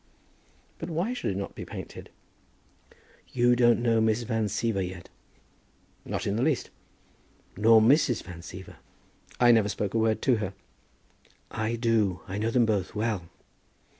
"But why should it not be painted?" "You don't know Miss Van Siever, yet." "Not in the least." "Nor Mrs. Van Siever." "I never spoke a word to her." "I do. I know them both, well."